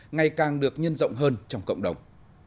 ngày càng được nhân rộng hơn trong cộng đồng